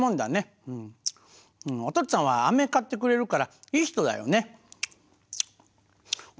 おとっつぁんはあめ買ってくれるからいい人だよね。